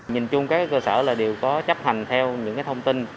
nhìn chung các cơ sở đều có chấp hành theo những thông tin